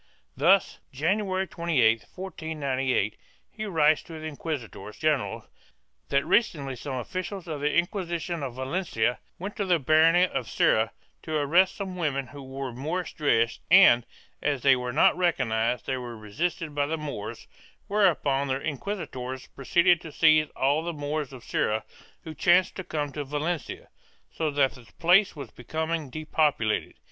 Thus January 28, 1498, he writes to the inquisitors general that recently some officials of the Inquisition of Valencia went to the barony of Serra to arrest some women who wore Moorish dress and, as they were not recognized, they were resisted by the Moors, whereupon the inquisitors proceeded to seize all the Moors of Serra who chanced to come to Valencia, so that the place was becoming depopulated.